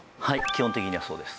基本的にはそうです。